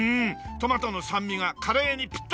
トマトの酸味がカレーにピッタシ！